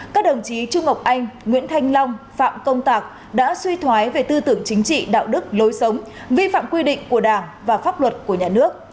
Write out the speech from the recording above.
các đồng chí trung ngọc anh nguyễn thanh long phạm công tạc đã suy thoái về tư tưởng chính trị đạo đức lối sống vi phạm quy định của đảng và pháp luật của nhà nước